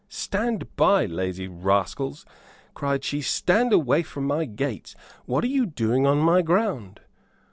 "Stand by, lazy rascals," cried she, "stand away from my gates. What are you doing on my ground?"